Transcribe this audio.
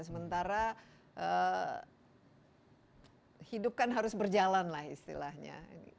sementara hidup kan harus berjalan lah istilahnya